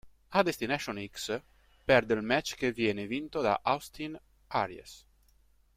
A Destination X, perde il match che viene vinto da Austin Aries.